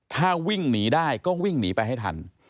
ถ้าวิ่งหนีได้ก็วิ่งหนีไปให้ทัน